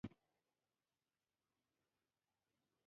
په اوسني وخت کې انتخابات بې لذته عياشي ده.